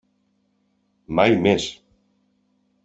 Mai més!